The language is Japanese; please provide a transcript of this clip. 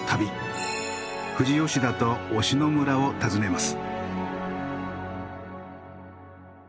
富士吉田と忍野村を訪ねます。